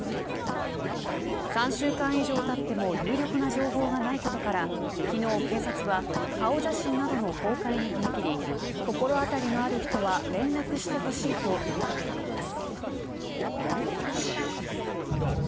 ３週間以上たっても有力な情報がないことから昨日、警察は顔写真などの公開に踏み切り心当たりのある人は連絡してほしいと呼び掛けています。